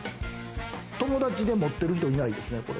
友達で持ってる人いないですね。